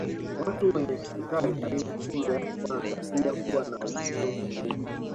Watu wenye kisukari aina hii ya kwanza pia huwa na uzito pungufu